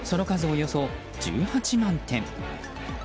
およそ１８万点。